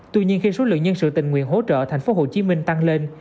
tuy nhiên khi số lượng nhân sự tình nguyện hỗ trợ thành phố hồ chí minh tăng lên